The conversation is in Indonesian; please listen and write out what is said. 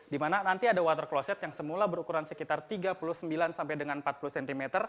di mana nanti ada water closet yang semula berukuran sekitar tiga puluh sembilan sampai dengan empat puluh cm